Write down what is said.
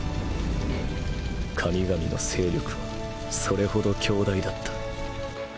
神々の勢力はそれほど強大だった。